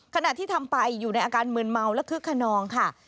ขณะที่ทำไปอยู่ในอาการมืนเมาและคึกขนองค่ะ